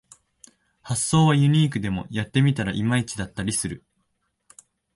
発想はユニークでもやってみたらいまいちだったりする